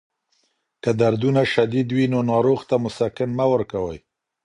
که دردونه شدید وي، نو ناروغ ته مسکن مه ورکوئ.